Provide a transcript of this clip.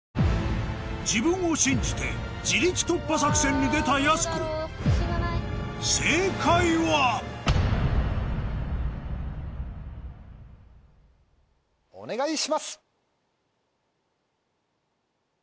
自分を信じて自力突破作戦に出たやす子正解はお願いします！